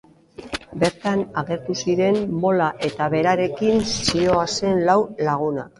Bertan agertu ziren Mola eta berarekin zihoazen lau lagunak.